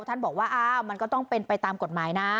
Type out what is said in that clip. ท่านบอกว่าอ้าวมันก็ต้องเป็นไปตามกฎหมายนะ